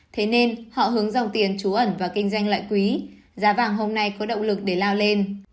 thế nên họ hướng dòng tiền trú ẩn và kinh doanh lại quý giá vàng hôm nay có động lực để lao lên